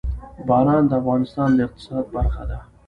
باران د افغانستان د اقتصاد برخه ده.